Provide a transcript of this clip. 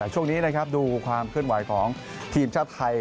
ช่วงนี้ดูความคลื่นไหวของทีมทรัพย์ไทย